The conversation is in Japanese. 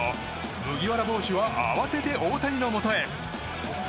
麦わら帽子は慌てて大谷のもとへ。